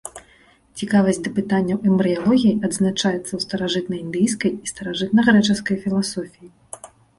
Цікавасць да пытанняў эмбрыялогіі адзначаецца ў старажытнаіндыйскай і старажытнагрэчаскай філасофіі.